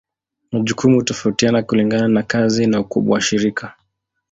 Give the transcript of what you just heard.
Majukumu hutofautiana kulingana na kazi na ukubwa wa shirika.